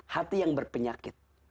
hati yang berpenyakit